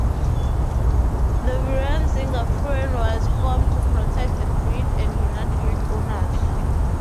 The Verein Ziegenfreunde was formed to protect the breed and unite breed owners.